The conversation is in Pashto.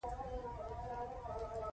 کور د خوندي ژوند نښه ده.